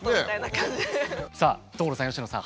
さあ所さん佳乃さん。